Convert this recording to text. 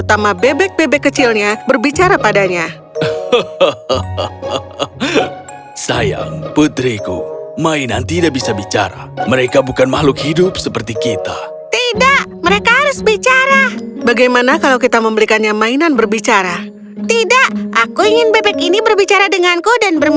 aku ingin bebek ini berbicara denganku dan bermain denganku